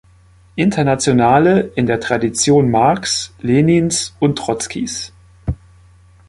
Internationale in der Tradition Marx’, Lenins und Trotzkis.